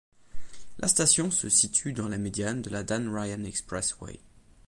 La station se situe dans la médiane de la Dan Ryan Expressway.